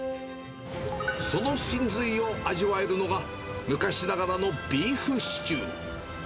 その真髄を味わえるのが、昔ながらのビーフシチュー。